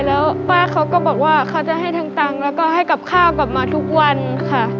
แล้วป้าเขาก็บอกว่าเขาจะให้ทางตังค์แล้วก็ให้กับข้าวกลับมาทุกวันค่ะ